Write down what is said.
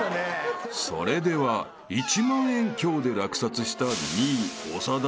［それでは１万円強で落札した］